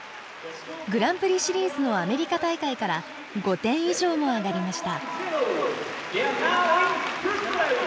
グランプリシリーズのアメリカ大会から５点以上も上がりました。